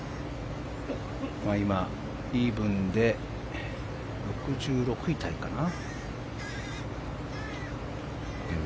今、イーブンで６６位タイかな。